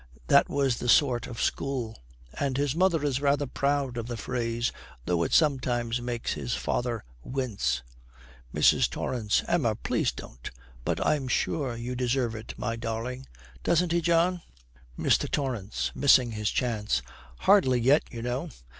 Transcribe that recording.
That was the sort of school; and his mother is rather proud of the phrase, though it sometimes makes his father wince. MRS. TORRANCE. 'Emma, please, don't. But I'm sure you deserve it, my darling. Doesn't he, John?' MR. TORRANCE, missing his chance, 'Hardly yet, you know.